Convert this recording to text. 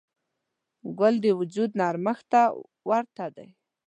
ګل د وجود نرمښت ته ورته دی.